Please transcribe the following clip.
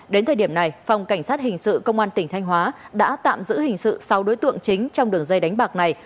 đến thời điểm này phòng cảnh sát hình sự công an tỉnh thanh hóa đã tạm giữ hình sự sáu đối tượng chính trong đường dây đánh bạc này